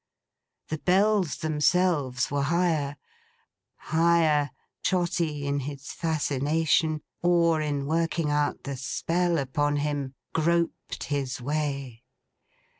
The Bells themselves were higher. Higher, Trotty, in his fascination, or in working out the spell upon him, groped his way.